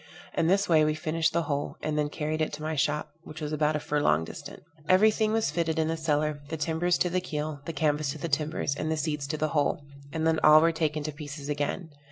In this way we finished the whole, and then carried it to my shop, which was about a furlong distant. Every thing was fitted in the cellar, the timbers to the keel, the canvas to the timbers, and the seats to the whole, and then all were taken to pieces again.